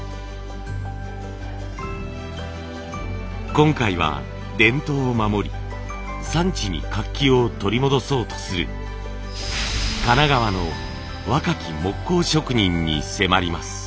今回は伝統を守り産地に活気を取り戻そうとする神奈川の若き木工職人に迫ります。